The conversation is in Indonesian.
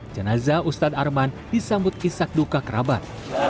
jenazah ustadz arman disambut isak duka kerabat